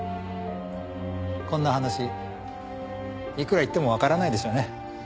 こんな話いくら言ってもわからないでしょうね。